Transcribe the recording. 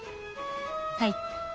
はい。